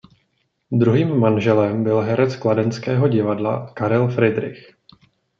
Druhým manželem byl herec kladenského divadla Karel Fridrich.